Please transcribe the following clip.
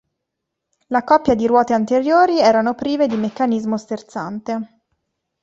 La coppia di ruote anteriori erano prive di meccanismo sterzante.